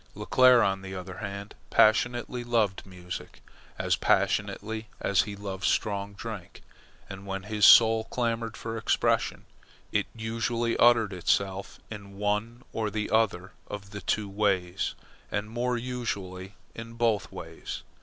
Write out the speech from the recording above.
Leclere, on the other hand, passionately loved music as passionately as he loved strong drink. And when his soul clamoured for expression, it usually uttered itself in one or the other of the two ways, and more usually in both ways.